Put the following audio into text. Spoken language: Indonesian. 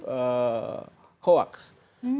yang mengatakan bahwa vaksin itu ada yang meninggal